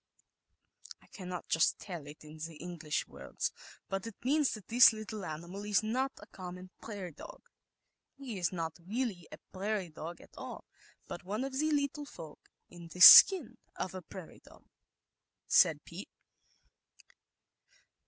"I cannot just tell it in the English words, but it means that this little animal is not a common prairie dog. He is not really a prairie dog at all, but one of the ' little folks' in the skin of a prairie dog," said Pete.